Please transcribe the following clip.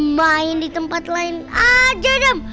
main di tempat lain aja dam